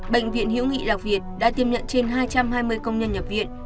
bệnh viện hiễu nghị lạc việt đã tiêm nhận trên hai trăm hai mươi công nhân nhập viện